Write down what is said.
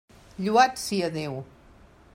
Lloat sia Déu!